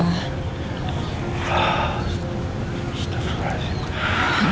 pak aku sudah terasa